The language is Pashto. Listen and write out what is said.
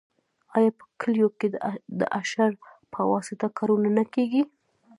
آیا په کلیو کې د اشر په واسطه کارونه نه کیږي؟